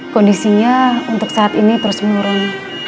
kondisinya untuk saat ini terus menurun